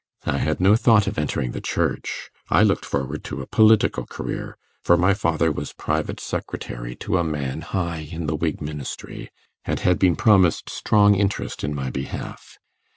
I had no thought of entering the Church; I looked forward to a political career, for my father was private secretary to a man high in the Whig Ministry, and had been promised strong interest in my behalf.